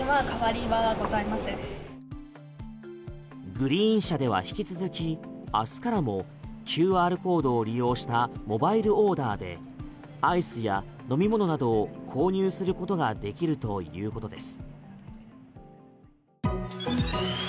グリーン車では引き続き明日からもＱＲコードを利用したモバイルオーダーでアイスや飲み物などを購入することができるということです。